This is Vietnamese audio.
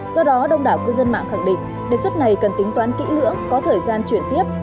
do đó đông đảo cư dân mạng khẳng định đề xuất này cần tính toán kỹ lưỡng có thời gian chuyển tiếp